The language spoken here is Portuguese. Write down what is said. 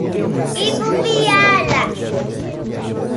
Ipupiara